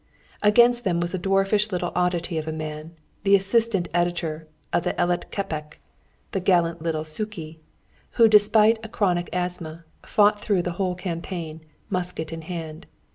Amongst them was a dwarfish little oddity of a man, the assistant editor of the Eletképek, the gallant little Sükey, who, despite a chronic asthma, fought through the whole campaign, musket in hand.